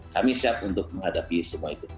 kami siap untuk menghadapi semua itu